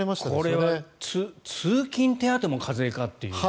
これは通勤手当も課税かという。